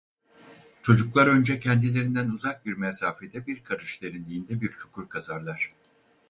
Çocuklar önce kendilerinden uzak bir mesafede bir karış derinliğinde bir çukur kazarlar.